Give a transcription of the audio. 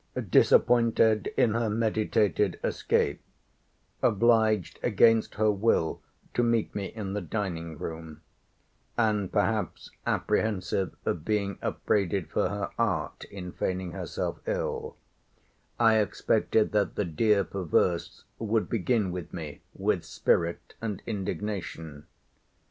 Disappointed in her meditated escape; obliged, against her will, to meet me in the dining room; and perhaps apprehensive of being upbraided for her art in feigning herself ill; I expected that the dear perverse would begin with me with spirit and indignation.